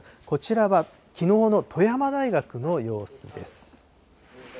こちらはきのうの富山大学の様子です。